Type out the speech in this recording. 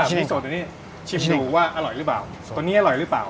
ตัวนี้อร่อยรึเปล่า